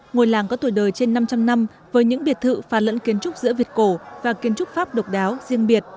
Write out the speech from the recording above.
ngôi làng có tuổi đời trên năm trăm linh năm với những biệt thự phà lẫn kiến trúc giữa việt cổ và kiến trúc pháp độc đáo riêng biệt